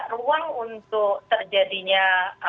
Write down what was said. ruang untuk terjadinya